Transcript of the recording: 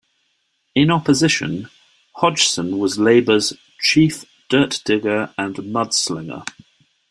In opposition, Hodgson was Labour's "chief dirt-digger and mudslinger".